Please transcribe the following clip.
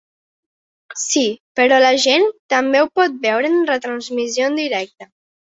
Sí, però la gent també ho pot veure en retransmissió en directe.